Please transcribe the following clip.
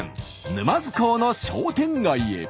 沼津港の商店街へ。